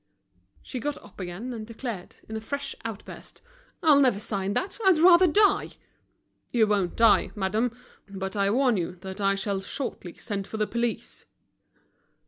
She got up again, and declared in a fresh outburst: "I'll never sign that, I'd rather die." "You won't die, madame; but I warn you that I shall shortly send for the police."